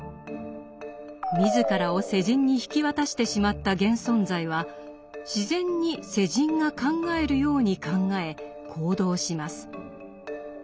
自らを世人に引き渡してしまった現存在は自然に世人が考えるように考え行動します。